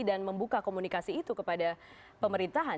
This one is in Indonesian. dan membuka komunikasi itu kepada pemerintahan